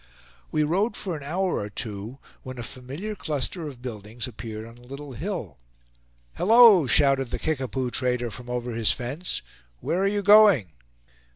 We rode for an hour or two when a familiar cluster of buildings appeared on a little hill. "Hallo!" shouted the Kickapoo trader from over his fence. "Where are you going?"